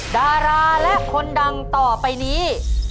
ดาราและคนดังต่อไปนี้